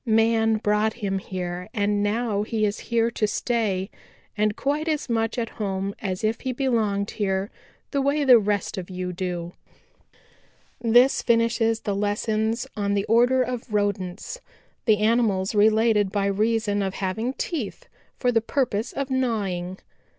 Man brought him here and now he is here to stay and quite as much at home as if he belonged here the way the rest of you do. "This finishes the lessons on the order of Rodents, the animals related by reason of having teeth for the purpose of gnawing.